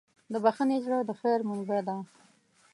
د بښنې زړه د خیر منبع ده.